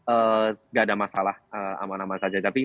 enggak ada masalah aman aman saja tapi